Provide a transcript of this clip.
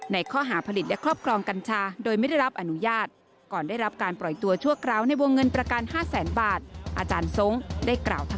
ในข้อหาผลิตและครอบครองกัญชาโดยไม่ได้รับอนุญาต